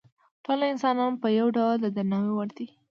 ټول انسانان په یو ډول د درناوي وړ دي.